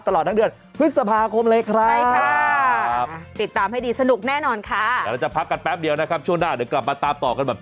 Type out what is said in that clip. ตลอดทั้งเดือนพฤษภาคมเลยครับ